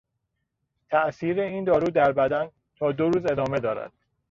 تاثیر این دارو در بدن تا دو روز ادامه دارد.